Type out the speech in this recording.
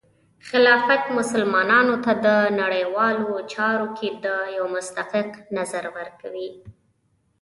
خلافت مسلمانانو ته د نړیوالو چارو کې د یو مستقل نظر ورکوي.